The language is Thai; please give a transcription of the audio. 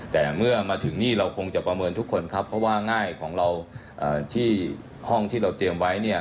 แต่เมื่อมาถึงนี่เราคงจะประเมินทุกคนครับเพราะว่าง่ายของเราที่ห้องที่เราเตรียมไว้เนี่ย